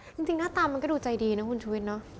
จริงหน้าตามันก็ดูใจดีนะคุณชุวิตเนอะ